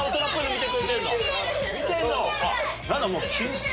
見てんの？